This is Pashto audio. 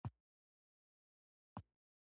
آیا ایران د چای څښلو کلتور نلري؟